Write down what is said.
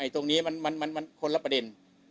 ตรงนี้มันคนละประเด็น